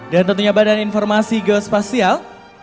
dan tentunya badan informasi geospasial